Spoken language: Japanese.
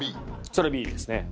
それＢですね。